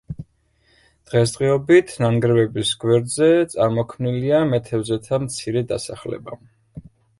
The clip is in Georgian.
დღესდღეობით ნანგრევების გვერდზე წარმოქმნილია მეთევზეთა მცირე დასახლება.